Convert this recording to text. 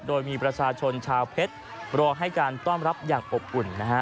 โดยมีประชาชนชาวเพชรรอให้การต้อนรับอย่างอบอุ่นนะฮะ